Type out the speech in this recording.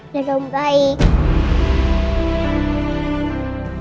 dan om baik